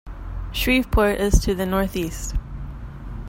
Shreveport is to the northeast.